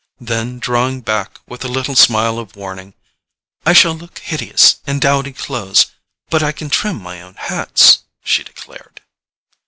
Then, drawing back with a little smile of warning—"I shall look hideous in dowdy clothes; but I can trim my own hats," she declared.